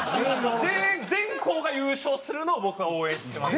全校が優勝するのを僕は応援してます。